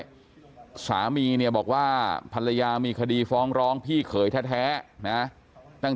สามีเนี่ยบอกว่าภรรยามีคดีฟ้องร้องพี่เขยแท้นะตั้งแต่